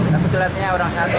tapi kelihatannya orang satu